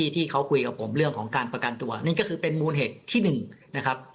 ที่เขาคุยกับผมเรื่องของการประกันตัวนั่นก็คือเป็นมูลเหตุที่๑นะครับ